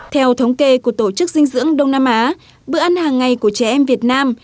theo thống kê của tổ chức dinh dưỡng đông nam á bữa ăn hàng ngày của trẻ em việt nam